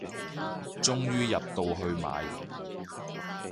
終於入到去買